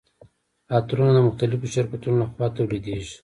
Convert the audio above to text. عطرونه د مختلفو شرکتونو لخوا تولیدیږي.